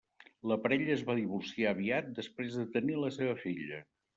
La parella es va divorciar aviat després de tenir la seva filla.